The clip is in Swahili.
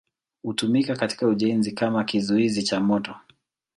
Hutumika katika ujenzi kama kizuizi cha moto.